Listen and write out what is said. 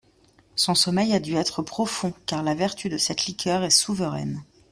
Son sommeil a dû être profond, car la vertu de cette liqueur est souveraine.